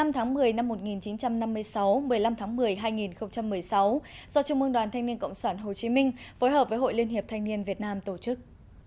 một mươi tháng một mươi năm một nghìn chín trăm năm mươi sáu một mươi năm tháng một mươi hai nghìn một mươi sáu do trung mương đoàn thanh niên cộng sản hồ chí minh phối hợp với hội liên hiệp thanh niên việt nam tổ chức